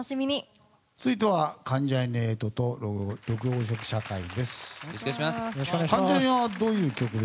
続いては関ジャニ∞と緑黄色社会です。